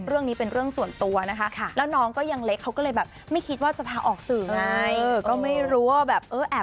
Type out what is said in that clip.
เรื่องนี้เป็นเรื่องส่วนตัวนะคะ